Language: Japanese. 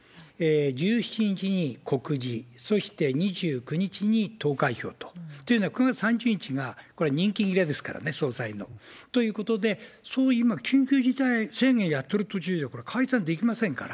１７日に告示、そして２９日に投開票と。というのは、９月３０日が、これ任期切れですからね、総裁の。ということで、今、緊急事態宣言やってる途中じゃ、これ解散できませんから。